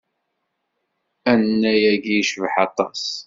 Annay-agi icbeḥ aṭas.